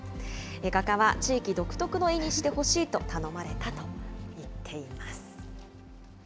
画家は、地域独特の絵にしてほしいと頼まれたと言っています。